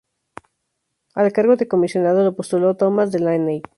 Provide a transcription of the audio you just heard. Al cargo de Comisionado lo postuló Tomas Delaney.